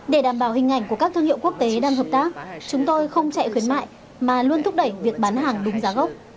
để đảm bảo hình ảnh của các thương hiệu quốc tế đang hợp tác chúng tôi không chạy khuyến mại mà luôn thúc đẩy việc bán hàng đúng giá gốc